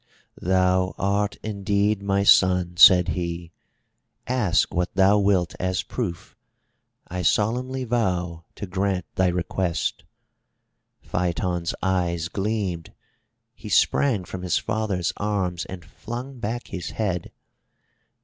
"Thou art indeed my son,'* said he. "Ask what thou wilt as proof, I solemnly vow to grant thy request.'' Phaeton's eyes gleamed. He sprang from his father's arms and flung back his head.